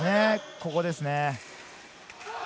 ここですね。